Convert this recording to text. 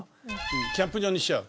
キャンプ場にしちゃう？